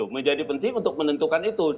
menjadi penting untuk menentukan itu